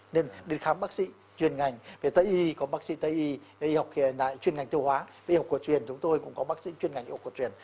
nên đến khám bác sĩ chuyên ngành về tây y có bác sĩ tây y chuyên ngành tiêu hóa về y học cuộc truyền chúng tôi cũng có bác sĩ chuyên ngành y học cuộc truyền